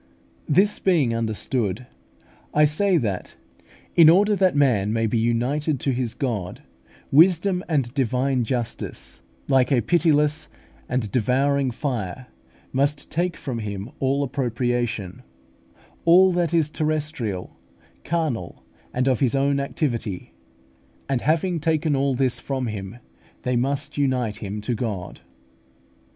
This being understood, I say that, in order that man may be united to his God, wisdom and divine justice, like a pitiless and devouring fire, must take from him all appropriation, all that is terrestrial, carnal, and of his own activity; and having taken all this from him, they must unite him to God.